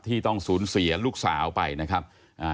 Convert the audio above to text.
ที่ต้องศูนย์เสียลูกสาวไปนะครับ